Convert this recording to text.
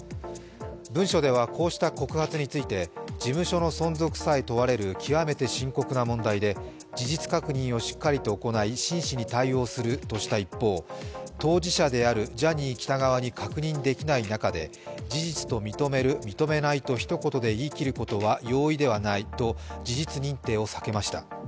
文書では、こうした告発について事務所の存続さえ問われる極めて深刻な問題で事実確認をしっかりと行い真摯に対応するとした一方、当事者であるジャニー喜多川に確認できない中で事実と認める、認めないと一言で言い切ることは容易ではないと事実認定を避けました。